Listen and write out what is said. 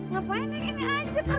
ngapain ya gini aja